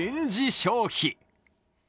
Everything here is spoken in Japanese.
消費。